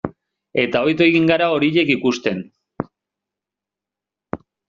Eta ohitu egin gara horiek ikusten.